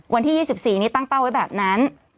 วันที่๒๔นี้ตั้งเป้าไว้แบบนั้น